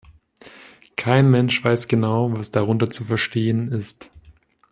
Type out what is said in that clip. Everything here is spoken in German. Kein Mensch weiß genau, was darunter zu verstehen ist.